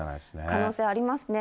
可能性ありますね。